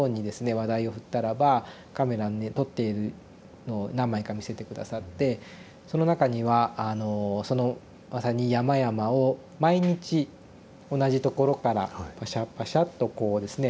話題を振ったらばカメラで撮っているのを何枚か見せて下さってその中にはあのそのまさに山々を毎日同じところからパシャパシャッとこうですね